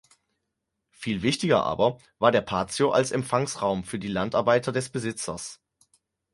Viel wichtiger aber war der Patio als Empfangsraum für die Landarbeiter des Besitzers.